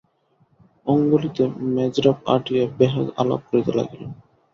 অঙ্গুলিতে মেজরাপ আঁটিয়া বেহাগ আলাপ করিতে লাগিলেন।